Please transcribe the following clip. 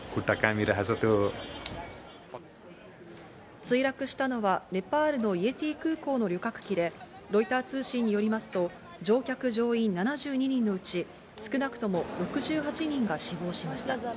墜落したのはネパールのイエティ航空の旅客機で、ロイター通信によりますと、乗客乗員７２人のうち、少なくとも６８人が死亡しました。